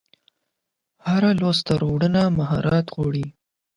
هره لاسته راوړنه مهارت غواړي.